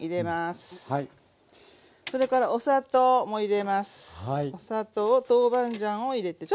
それからお砂糖も入れます。